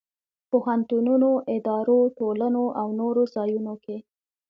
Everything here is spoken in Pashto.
پوهنتونونو، ادارو، ټولنو او نور ځایونو کې.